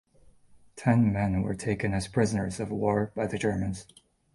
Ten men were taken as prisoners of war by the Germans.